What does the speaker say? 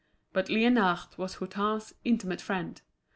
But Liénard was Hutin's intimate friend.